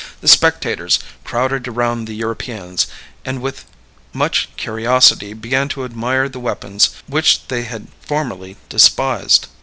The spectators crowded around the Europeans, and with much curiosity began to admire the weapons which they had formerly despised.